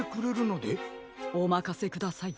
おまかせください。